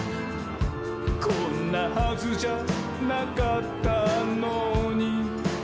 「こんなはずじゃなかったのに」